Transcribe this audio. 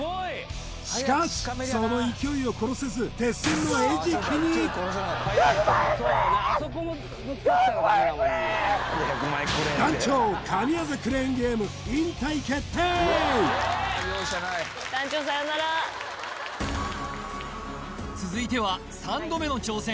しかしその勢いを殺せず鉄線の餌食に団長続いては３度目の挑戦